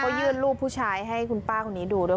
เขายื่นรูปผู้ชายให้คุณป้าคนนี้ดูด้วย